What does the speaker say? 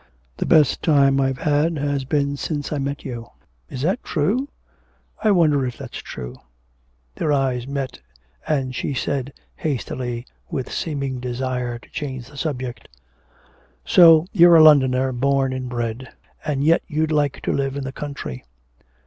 The best time I've had has been since I met you.' 'Is that true? I wonder if that's true.' Their eyes met and she said hastily, with seeming desire to change the subject: 'So you're a Londoner born and bred, and yet you'd like to live in the country.'